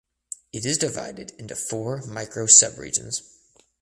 It is divided into four micro subregions.